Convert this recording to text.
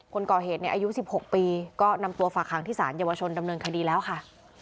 คนก่อเหตุในอายุ๑๖ปีก็นำตัวฝากหางที่สารเยาวชนดำเนินคดีแล้วค่ะ